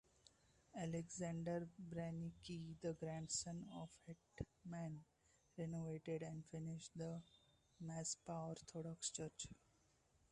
Aleksander Branicki, the grandson of the hetman, renovated and finished the Mazepa's Orthodox church.